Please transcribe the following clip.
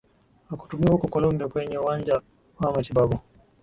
na kutumiwa huko Colombia kwenye uwanja wa matibabu